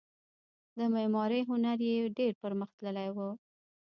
د معمارۍ هنر یې ډیر پرمختللی و